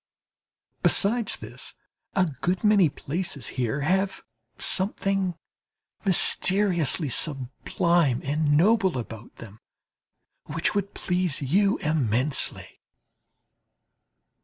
Besides this, a good many places here have something mysteriously sublime and noble about them, which would please you immensely.